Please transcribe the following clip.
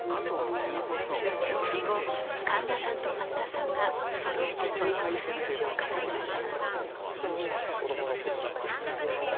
葬儀後、神田さんと松田さんがそろってその胸のうちを語りました。